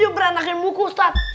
dia berantakin buku ustadz